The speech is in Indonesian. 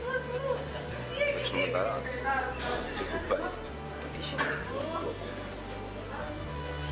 terus sementara cukup baik